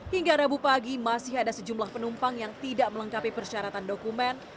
hingga rabu pagi masih ada sejumlah penumpang yang tidak melengkapi persyaratan dokumen